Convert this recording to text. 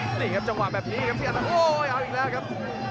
นี่ครับจังหวะแบบนี้ครับโอ้ยอ้าวอีกแล้วครับ